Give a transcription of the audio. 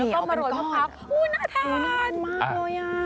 ู้วหน้าทาน